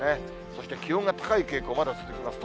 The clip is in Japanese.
そして気温が高い傾向、まだ続きます。